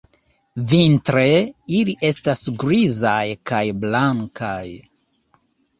Vintre, ili estas grizaj kaj blankaj.